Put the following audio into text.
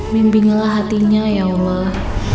mimpinlah hatinya ya allah